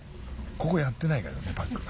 ここやってないけどねパック。